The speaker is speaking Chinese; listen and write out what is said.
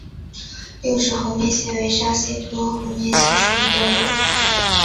六齿猴面蟹为沙蟹科猴面蟹属的动物。